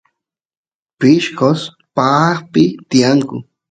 pishqos paaqpi tiyanku